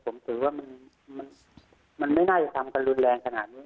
ผมถือว่ามันไม่น่าจะทำกันรุนแรงขนาดนี้